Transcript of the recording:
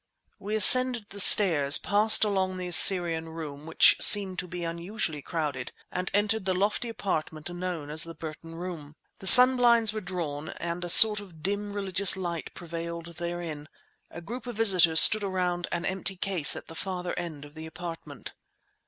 We ascended the stairs, passed along the Assyrian Room, which seemed to be unusually crowded, and entered the lofty apartment known as the Burton Room. The sunblinds were drawn, and a sort of dim, religious light prevailed therein. A group of visitors stood around an empty case at the farther end of the apartment.